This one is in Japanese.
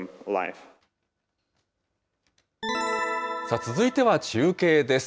続いては中継です。